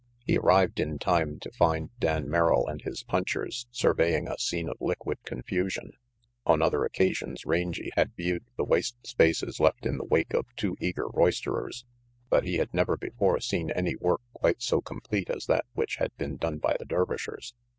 He arrived in time to find Dan Merrill and his punchers surveying a scene of liquid confusion. On other occasions Rangy had viewed the waste spaces left in the wake of too eager roisterers, but he had never before seen any work quite so complete as that which had been done by the Dervishers.